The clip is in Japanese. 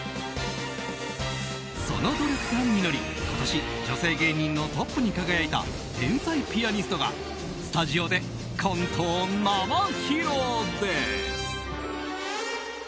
その努力が実り、今年女性芸人のトップに輝いた天才ピアニストがスタジオでコントを生披露です。